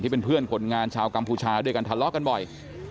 เป็นเพื่อนคนงานชาวกัมพูชาด้วยกันทะเลาะกันบ่อย